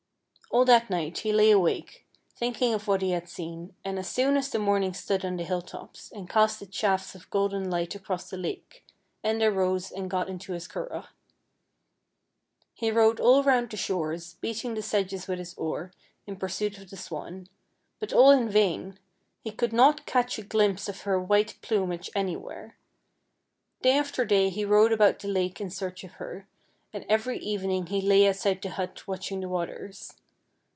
All that night he lay awake, thinking of what he had seen, and as soon as the morning stood on the hill tops, and cast its shafts of golden light across the lake, Enda rose and got into his cur ragh. He rowed all round the shores, beating the sedges with his oar, in pursuit of the swan ; but all in vain ; he could not catch a glimpse of her white plumage anywhere. Day after day he rowed about the lake in search of her, and every evening he lay outside the hut watching the waters.